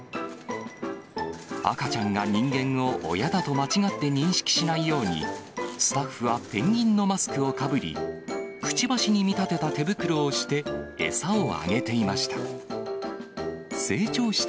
赤ちゃんが人間を親だと間違って認識しないように、スタッフはペンギンのマスクをかぶり、くちばしに見立てた手袋をして餌をあげていました。